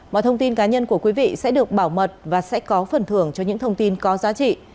mọi thông tin cá nhân của quý vị sẽ được bảo mật và sẽ có phần thưởng cho những thông tin có giá trị